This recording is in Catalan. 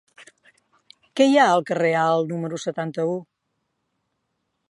Què hi ha al carrer Alt número setanta-u?